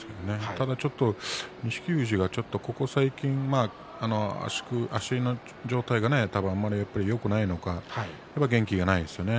ただちょっと錦富士がここ最近足の状態があまりよくないのか元気がないですよね。